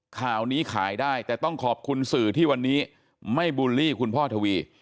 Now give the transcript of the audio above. ข่าวนี้ขายได้แต่ต้องขอบคุณสื่อที่วันนี้ไม่บูลลี่คุณพ่อทวี